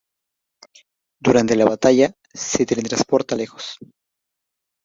Durante la batalla, se teletransporta lejos.